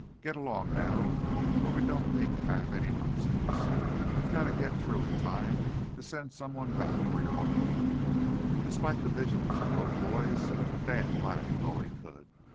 "Get along, now, for we don't mean to have any nonsense. We've got to get through in time to send someone back for your uncle.", Despite the vigilance of both boys, Dan lagged all he could.